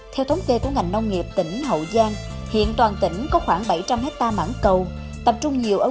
theo thống kê của ngành nông nghiệp tỉnh hậu giang